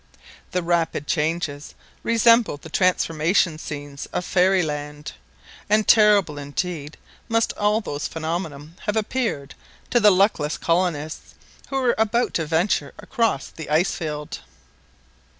The rapid changes resembled the transformation scenes of fairyland, and terrible indeed must all those phenomena have appeared to the luckless colonists who were about to venture across the ice field!